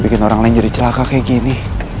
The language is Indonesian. bikin orang lain jadi celaka kayak gini